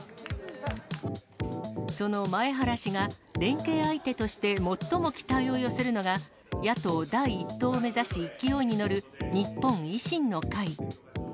その前原氏が連携相手として最も期待を寄せるのが、野党第１党を目指し、勢いに乗る日本維新の会。